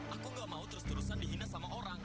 aku gak mau terus terusan dihina sama orang